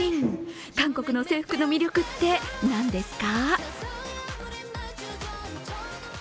韓国の制服の魅力ってなんですか？